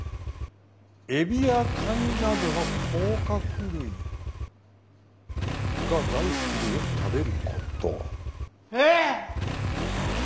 エビやカニなどの甲殻類が大好きでよく食べること。え！？